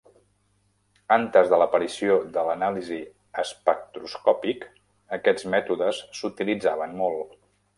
Antes de l"aparició de l"anàlisi espectroscòpic, aquests mètodes s"utilitzaven molt.